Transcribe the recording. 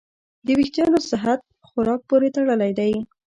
د وېښتیانو صحت خوراک پورې تړلی دی.